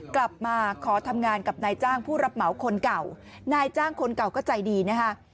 กลับมาขอทำงานกับนายจ้างผู้รับเหมาคนเก่านายจ้างคนเก่าก็ใจดีนะคะ